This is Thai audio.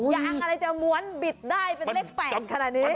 ยางอะไรจะม้วนบิดได้เป็นเลข๘ขนาดนี้